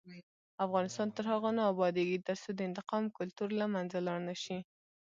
افغانستان تر هغو نه ابادیږي، ترڅو د انتقام کلتور له منځه لاړ نشي.